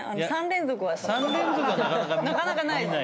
３連続はなかなか見ないね。